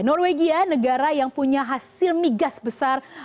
norwegia negara yang punya hasil migas besar